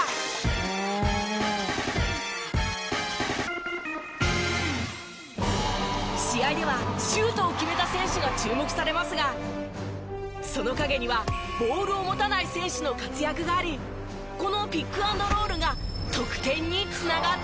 「ああ」試合ではシュートを決めた選手が注目されますがその陰にはボールを持たない選手の活躍がありこのピックアンドロールが得点に繋がっているんです。